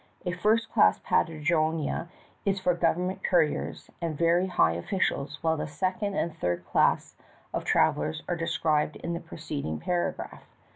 A first class paderojnia is for government couriers, and very high officials, while the second and third classes of travelers are described in the preceding paragraph.